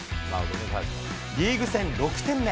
リーグ戦６点目。